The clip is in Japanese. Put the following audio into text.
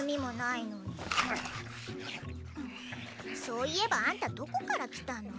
そういえばあんたどこから来たの？